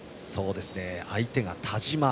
相手が田嶋。